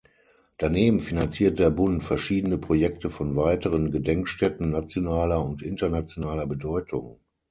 Daneben finanziert der Bund verschiedene Projekte von weiteren Gedenkstätten nationaler und internationaler Bedeutung.